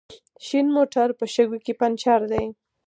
شين موټر په شګو کې پنچر دی